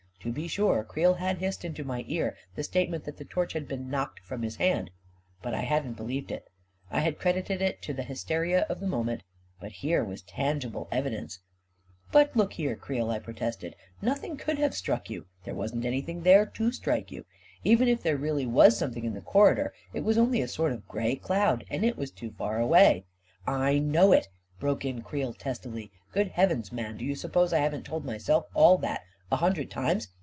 To be sure, Creel had hissed into my ear the statement that the torch had been knocked from his hand — but I hadn't believed it — I had cred ited it to the hysteria of the moment. But here was tangible evidence ..♦ A KING IN BABYLON 225 "But look here, Creel," I protested, "nothing could have struck you ! There wasn't anything there to strike you 1 Even if there really was something in the corridor, it was only a sort of gray cloud — and it was too far away ..." "I know it!" broke in Creel, testily. "Good heavens, man, do you suppose I haven't told myself all that a hundred times